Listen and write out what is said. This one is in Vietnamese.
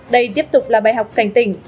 đây tiếp tục là bài học cảnh tình